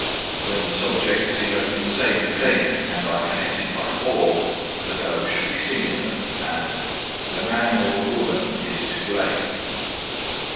When the subjects denote the same thing and are connected by or the verb should be singular; as, "The man or the woman is to blame."